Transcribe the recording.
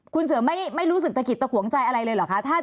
คุณเสือไม่รู้สึกศักดิ์ตะขวงใจอะไรเลยเหรอคะ